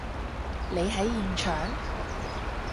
你喺現場？